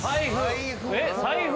財布。